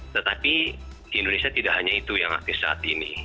tetapi di indonesia tidak hanya itu yang aktif saat ini